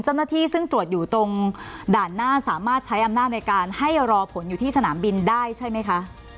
เจ้าหน้าที่ซึ่งตรวจอยู่ตรงด่านหน้าสามารถใช้อำนาจในการให้รอผลอยู่ที่สนามบินได้ใช่ไหมคะ